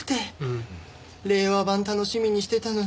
令和版楽しみにしてたのに。